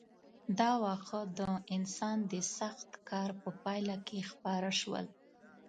دا واښه د انسان د سخت کار په پایله کې خپاره شول.